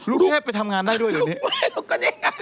ลูกเทพไปทำงานได้ด้วยอยู่นี้